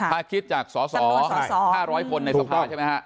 ถ้าคิดจากสส๕๐๐คนในสภาใช่ไหมฮะ